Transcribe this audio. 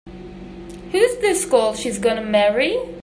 Who's this gal she's gonna marry?